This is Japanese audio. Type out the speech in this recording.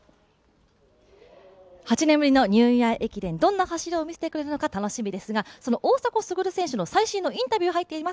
８年ぶりのニューイヤー駅伝、どんな走りを見せてくれるのか楽しみなんですが、大迫傑選手の最新のインタビュー入っています。